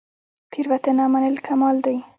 تیروتنه منل کمال دی